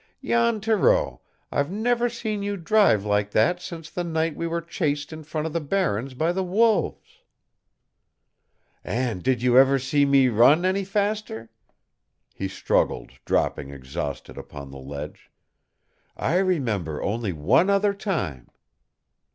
Jan Thoreau, I've never seen you drive like that since the night we were chased in from the barrens by the wolves!" "And did you ever see me run any faster?" He struggled, dropping exhausted upon the sledge. "I remember only one other time."